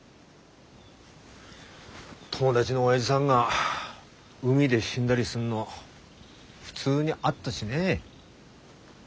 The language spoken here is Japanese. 友達のおやじさんが海で死んだりすんの普通にあったしね。